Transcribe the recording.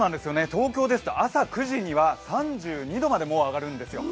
東京ですと朝９時には３２度まで上がるんですよ。